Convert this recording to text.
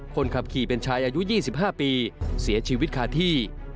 คนขับขี่เป็นชายอายุ๒๕ปีเสียชีวิตคาที่